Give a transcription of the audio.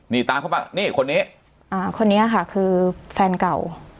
นี่ตามเข้ามานี่คนนี้อ่าคนนี้คนนี้ค่ะคือแฟนเก่า